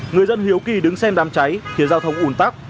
người dân hiếu kỳ đứng xem đám cháy khiến giao thông ủn tắc